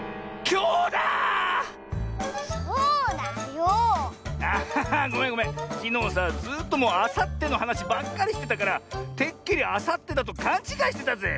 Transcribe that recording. きのうさずっともうあさってのはなしばっかりしてたからてっきりあさってだとかんちがいしてたぜ。